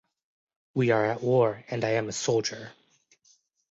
We are at war and I am a soldier.